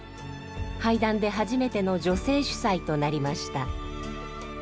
俳壇で初めての女性主宰となりました。